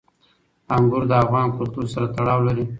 انګور د افغان کلتور سره تړاو لري.